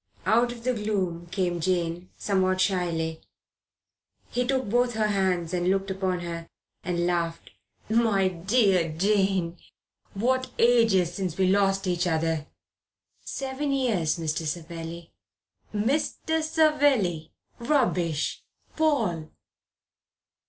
Out of the gloom came Jane, somewhat shyly. He took both her hands and looked upon her, and laughed. "My dear Jane! What ages since we lost each other!" "Seven years, Mr. Savelli." "'Mr. Savelli!' Rubbish! Paul."